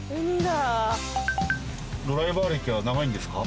ドライバー歴は長いんですか？